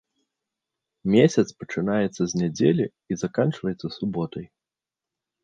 Месяц пачынаецца з нядзелі і заканчваецца суботай.